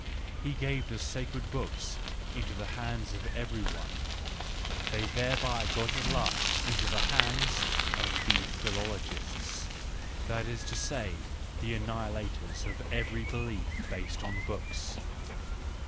He gave the sacred books into the hands of everyone,—they thereby got at last into the hands of the philologists, that is to say, the annihilators of every belief based upon books.